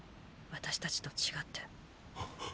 私たちと違って。